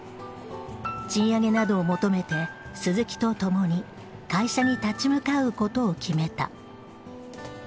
賃上げなどを求めて鈴木と共に会社に立ち向かうことを決めた。